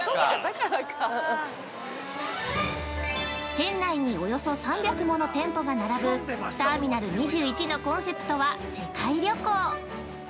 ◆店内におよそ３００もの店舗が並ぶターミナル２１のコンセプトは、世界旅行。